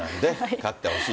勝ってほしい。